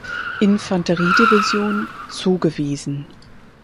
Infanteriedivision, zugewiesen.